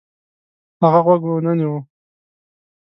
هغه غوږ ونه نیوه.